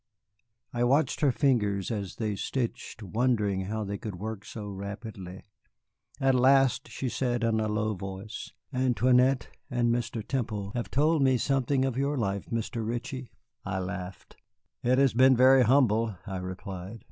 I watched her fingers as they stitched, wondering how they could work so rapidly. At last she said in a low voice, "Antoinette and Mr. Temple have told me something of your life, Mr. Ritchie." I laughed. "It has been very humble," I replied.